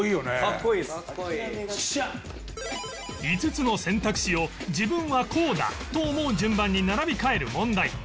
５つの選択肢を自分はこうだと思う順番に並び替える問題